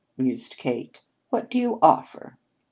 mused Kate. "What do you offer?"